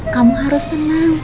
kamu harus tenang